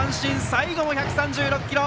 最後も１３６キロ！